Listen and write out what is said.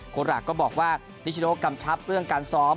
หลักก็บอกว่านิชโนกำชับเรื่องการซ้อม